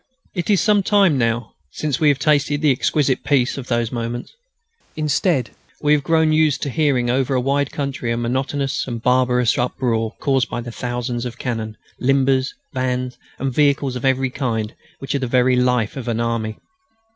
It is some time now since we have tasted the exquisite peace of those moments. Instead, we have grown used to hearing over the wide country a monotonous and barbarous uproar caused by the thousands of cannon, limbers, vans, and vehicles of every kind which are the very life of an army.